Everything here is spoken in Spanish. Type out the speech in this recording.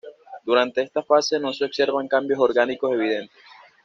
Durante esta fase no se observan cambios orgánicos evidentes.